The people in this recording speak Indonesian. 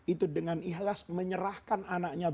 itu dengan ikhlas menyerahkan anaknya